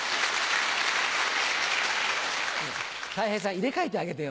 たい平さん入れ替えてあげてよ。